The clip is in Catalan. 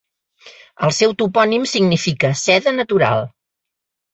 El seu topònim significa "seda natural".